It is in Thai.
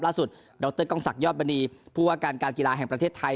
ล่าสุดดรกองศักยอบบรินีพูดว่าการการกีฬาแห่งประเทศไทย